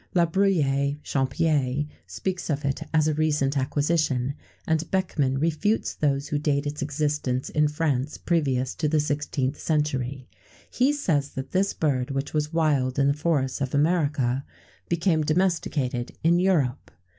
La Bruyère Champier speaks of it as a recent acquisition, and Beckmann refutes those who date its existence in France previous to the 16th century. He says that this bird, which was wild in the forests of America, became domesticated in Europe.